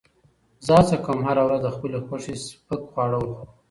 زه هڅه کوم هره ورځ د خپل خوښې سپک خواړه وخورم.